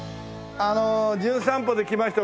『じゅん散歩』で来ました